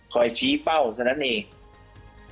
คอยชี้เป้าเสน่ห์นั้นเอง